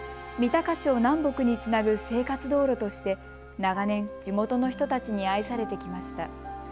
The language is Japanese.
三鷹市を南北につなぐ生活道路として長年、地元の人たちに愛されてきました。